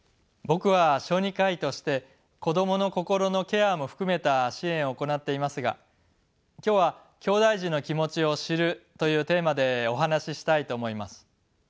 僕は小児科医として子どもの心のケアも含めた支援を行っていますが今日はきょうだい児の気持ちを知るというテーマでお話ししたいと思います。